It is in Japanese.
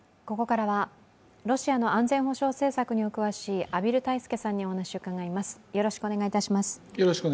ここからはロシアの安全保障政策にお詳しい畔蒜泰助さんにお話を伺います。